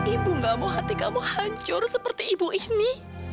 ibu gak mau hati kamu hancur seperti ibu ini